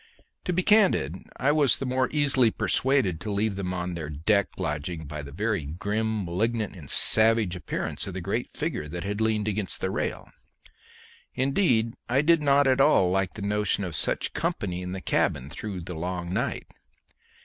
To be candid, I was the more easily persuaded to leave them to their deck lodging by the very grim, malignant, and savage appearance of the great figure that had leaned against the rail. Indeed, I did not at all like the notion of such company in the cabin through the long night.